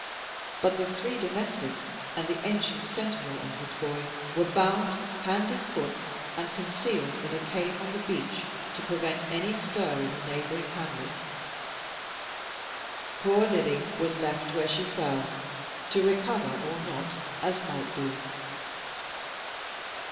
But the three domestics, and the ancient sentinel and his boy, were bound hand and foot, and concealed in a cave on the beach, to prevent any stir in the neighbouring hamlet. Poor Lily was left where she fell, to recover or not, as might be.